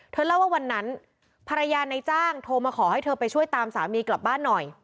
เล่าว่าวันนั้นภรรยาในจ้างโทรมาขอให้เธอไปช่วยตามสามีกลับบ้านหน่อย